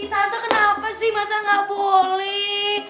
ih tante kenapa sih masa gak boleh